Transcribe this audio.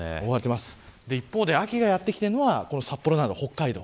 一方で、秋がやってきているのは札幌などの北海道。